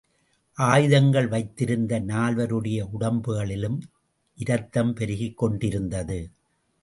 ஆயுதங்கள் வைத்திருந்த நால்வருடைய உடம்புகளிலும் இரத்தம் பெருகிக் கொண்டிருந்தது.